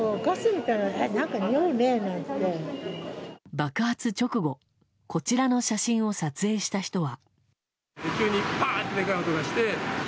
爆発直後こちらの写真を撮影した人は。